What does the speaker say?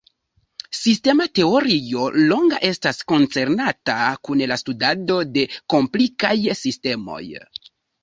Sistema teorio longa estas koncernata kun la studado de komplikaj sistemoj.